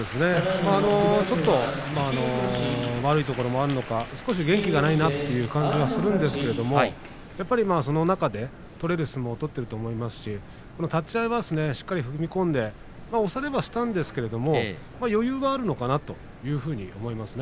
ちょっと悪いところもあるのか元気がないなという気はするんですがその中で取れる相撲を取っていると思いますし立ち合いはしっかりと踏み込んで押されはしたんですけれども余裕はあるのかなというふうに思います。